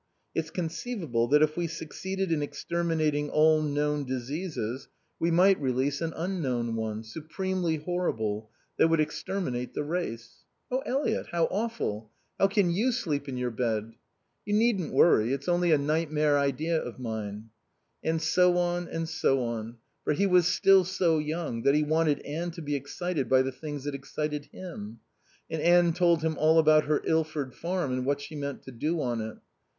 It's conceivable that if we succeeded in exterminating all known diseases we might release an unknown one, supremely horrible, that would exterminate the race." "Oh Eliot, how awful. How can you sleep in your bed?" "You needn't worry. It's only a nightmare idea of mine." And so on and so on, for he was still so young that he wanted Anne to be excited by the things that excited him. And Anne told him all about her Ilford farm and what she meant to do on it.